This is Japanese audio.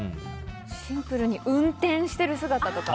シンプルに運転している姿とか。